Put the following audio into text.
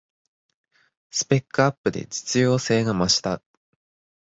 スペックアップで実用性が増した